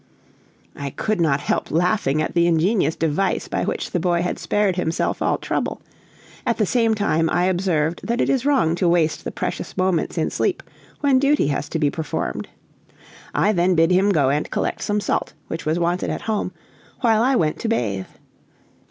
I could not help laughing at the ingenious device by which the boy had spared himself all trouble; at the same time I observed that it is wrong to waste the precious moments in sleep when duty has to be performed. I then bid him go and collect some salt, which was wanted at home, while I went to bathe.